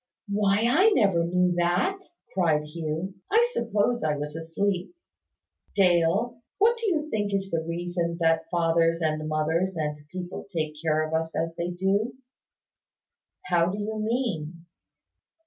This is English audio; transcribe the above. "Why, I never knew that!" cried Hugh. "I suppose I was asleep. Dale, what do you think is the reason that our fathers and mothers and people take care of us as they do?" "How do you mean?"